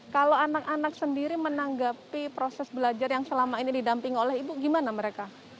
kalau anak anak sendiri menanggapi proses belajar yang selama ini didampingi oleh ibu gimana mereka